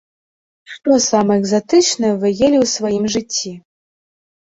Што самае экзатычнае вы елі ў сваім жыцці?